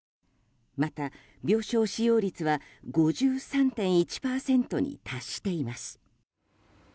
また病床使用率は５３．１％に達しています。